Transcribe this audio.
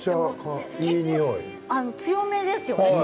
強めですよね。